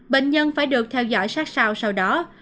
bệnh nhân phải được theo dõi sát sao sau đó